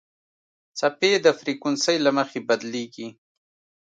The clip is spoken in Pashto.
څپې د فریکونسۍ له مخې بدلېږي.